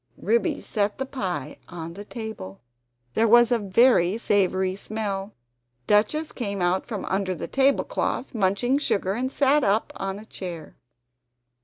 Ribby set the pie upon the table; there was a very savoury smell. Duchess came out from under the table cloth munching sugar, and sat up on a chair.